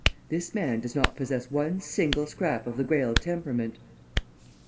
This man does not possess one single scrap of the Greyle temperament!"